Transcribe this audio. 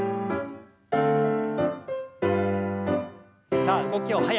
さあ動きを早く。